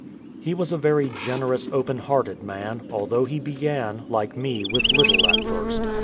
He was a very generous, open hearted man, although he began, like me, with little at first.